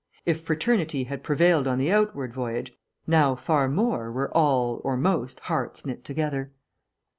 If fraternity had prevailed on the outward voyage, now far more were all (or most) hearts knit together.